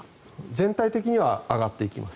全体的には上がっていきます。